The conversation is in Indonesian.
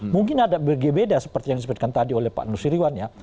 mungkin ada berbeda seperti yang disebutkan tadi oleh pak nusriwan